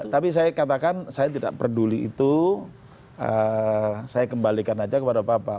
tapi saya katakan saya tidak peduli itu saya kembalikan aja kepada bapak